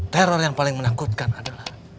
teror yang paling menakutkan adalah